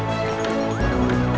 bahkan dia dia